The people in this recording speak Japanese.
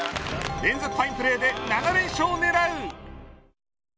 連続ファインプレーで７連勝を狙う。